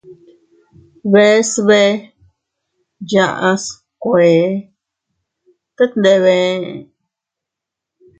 Bees bee yaʼas kuee, tet ndebe ee.